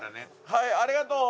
はいありがとう。